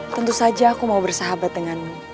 tentu saja aku mau bersahabat denganmu